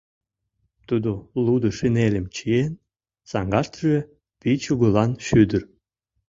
Тудо лудо шинельым чиен, саҥгаштыже вич угылан шӱдыр.